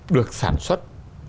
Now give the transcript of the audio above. được sản xuất